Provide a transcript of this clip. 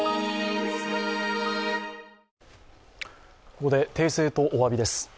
ここで訂正とおわびです。